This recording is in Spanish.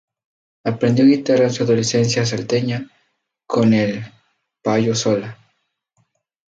Aprendió guitarra en su adolescencia salteña con el Payo Solá.